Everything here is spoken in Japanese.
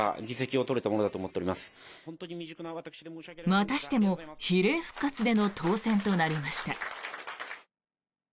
またしても比例復活での当選となりました。